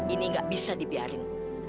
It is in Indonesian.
ini gak bisa dibiarin